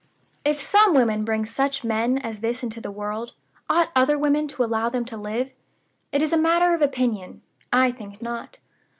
"If some women bring such men as this into the world, ought other women to allow them to live? It is a matter of opinion. I think not.